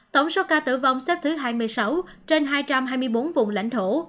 tổng số ca tử vong xếp thứ hai mươi sáu trên hai trăm hai mươi bốn vùng lãnh thổ